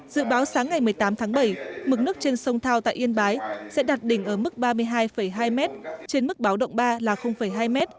dự báo sáng ngày một mươi tám tháng bảy mực nước trên sông thao tại yên bái sẽ đạt đỉnh ở mức ba mươi hai hai m trên mức báo động ba là hai m